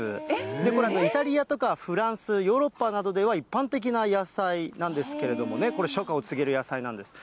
これはイタリアとかフランス、ヨーロッパなどでは一般的な野菜なんですけれどもね、これ初夏を告げる野菜なんです。